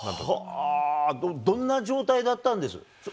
はぁ、どんな状態だったんです？